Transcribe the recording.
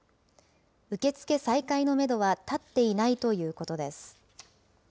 受け付け再開のメドは立っていないということです。